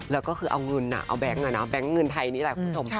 แล้วก็คือเอาเงินเอาแก๊งแบงค์เงินไทยนี่แหละคุณผู้ชม